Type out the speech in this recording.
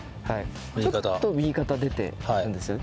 ちょっと右肩出てるんですよね。